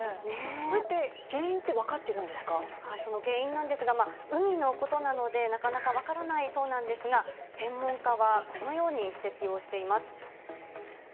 これって原因って分かってるんでその原因なんですが、海のことなので、なかなか分からないそうなんですが、専門家はこのように指摘をしています。